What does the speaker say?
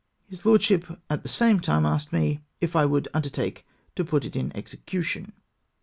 His lordship at the same time asked me " if I would undertake to put it in execu tion